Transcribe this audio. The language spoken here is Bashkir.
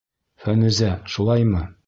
Фәнүзә, шулаймы?